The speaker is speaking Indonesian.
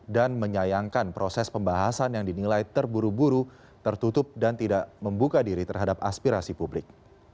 dan menyayangkan proses pembahasan yang dinilai terburu buru tertutup dan tidak membuka diri terhadap aspirasi publik